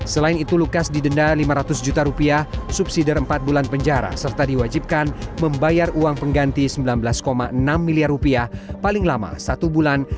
selain itu lukas didenda lima ratus juta rupiah subsidi empat bulan penjara serta diwajibkan membayar uang pengganti rp sembilan belas enam miliar rupiah paling lama satu bulan